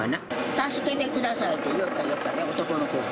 助けてくださいって言いよったで、男の子が？